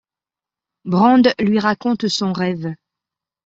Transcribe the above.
Brand lui raconte son rêve.